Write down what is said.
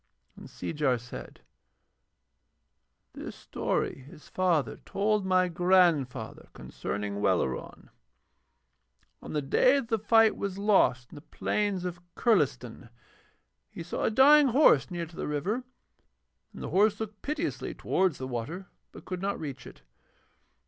And Seejar said: 'This story his father told my grandfather concerning Welleran. On the day that the fight was lost on the plains of Kurlistan he saw a dying horse near to the river, and the horse looked piteously towards the water but could not reach it.